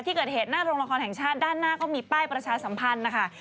ที่เกิดเหตุหน้าโรงละครแห่งชาติด้านหน้าก็มีป้ายประชาสัมพันธ์นะคะ